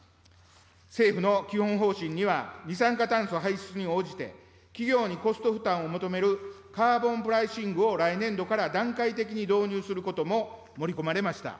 政府の基本方針には、二酸化炭素排出に応じて、企業にコスト負担を求めるカーボンプライシングを来年度から段階的に導入することも盛り込まれました。